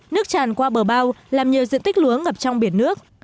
nước tràn qua bờ bao làm nhiều diện tích lúa ngập trong biển nước